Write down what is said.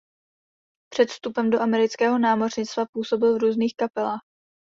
Před vstupem do amerického námořnictva působil v různých kapelách.